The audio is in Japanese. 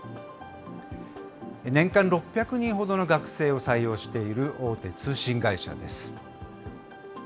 年間６００人ほどの学生を採用している大手通信会社です。